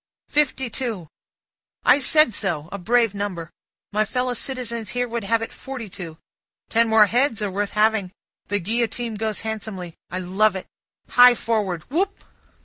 "Fifty two." "I said so! A brave number! My fellow citizen here would have it forty two; ten more heads are worth having. The Guillotine goes handsomely. I love it. Hi forward. Whoop!"